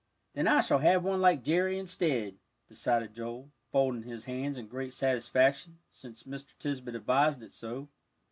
"Then I shall have one like Jerry, instead," decided Joel, folding his hands in great satisfaction, since Mr. Tisbett advised it so.